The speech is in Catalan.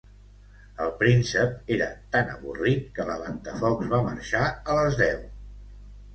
El príncep era tan avorrit que la Ventafocs va marxar a les deu.